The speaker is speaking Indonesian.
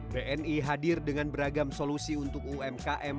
bni hadir dengan beragam solusi untuk umkm